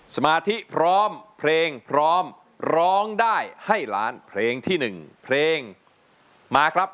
สมาธิพร้อมเพลงพร้อมร้องได้ให้ล้านเพลงที่๑เพลงมาครับ